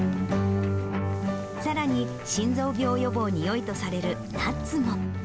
さらに、心臓病予防によいとされるナッツも。